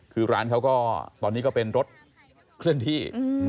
คือร้านเขาก็ตอนนี้ก็เป็นรถเคลื่อนที่